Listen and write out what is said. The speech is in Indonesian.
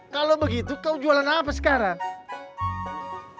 kalau begitu kau jualan apa sekarang